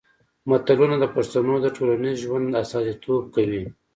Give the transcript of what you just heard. متلونه د پښتنو د ټولنیز ژوند استازیتوب کوي